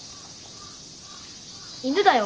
犬だよ。